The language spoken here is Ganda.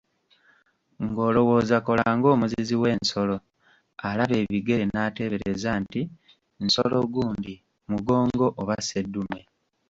Ng'olowooza kola ng'omuzizi w'ensolo, alaba ebigere, n'atebereza nti: Nsolo gundi, mugongo oba seddume.